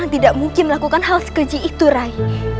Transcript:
tidak mungkin melakukan hal sekeji itu rai